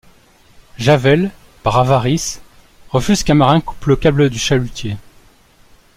Javel, par avarice, refuse qu’un marin coupe le câble du chalutier.